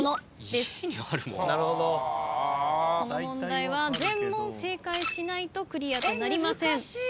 この問題は全問正解しないとクリアとなりません。